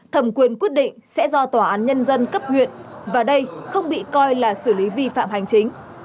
thẩm quyền quyết định sẽ do tòa án nhân dân cấp huyện và đây không bị coi là xử lý vi phạm hành chính